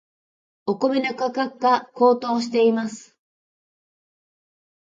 お米の価格が高騰しています。